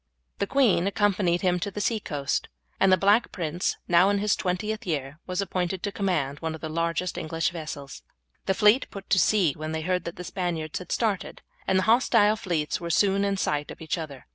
The queen accompanied him to the sea coast, and the Black Prince, now in his twentieth year, was appointed to command one of the largest of the English vessels. The fleet put to sea when they heard that the Spaniards had started, and the hostile fleets were soon in sight of each other.